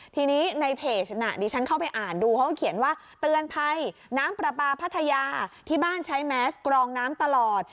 ทีนี้ในเพจน่ะดิฉันเข้าไปอ่านดูเขาก็เขียนว่าเตือนภัยน้ำปลาปลาพัทยาที่บ้านใช้แมสกรองน้ำตลอด